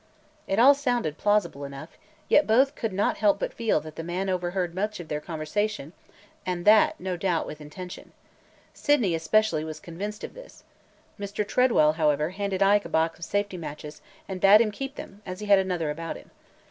It all sounded plausible enough, yet both could not help but feel that the man overheard much of their conversation, and that, no doubt, with intention. Sydney especially was convinced of this. Mr. Tredwell, however, handed Ike a box of safety matches and bade him keep them, as he had another about him.